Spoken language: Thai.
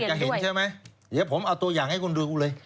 จะเห็นใช่ไหมเดี๋ยวผมเอาตัวอย่างให้คุณดูกูเลย